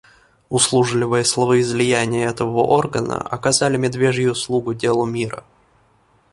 Услужливые словоизлияния этого органа оказали медвежью услугу делу мира.